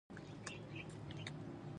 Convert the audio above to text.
د خلکو نظرونه هم پوښتل کیدای شي.